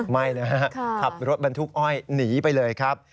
ไม่นะฮะขับรถบรรทุกอ้อยหนีไปเลยครับ